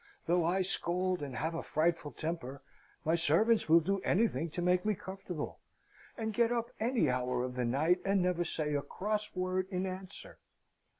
Though I scold, and have a frightful temper, my servants will do anything to make me comfortable, and get up at any hour of the night, and never say a cross word in answer.